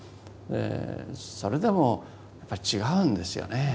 それでもやっぱり違うんですよね。